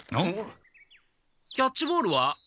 キャッチボールは？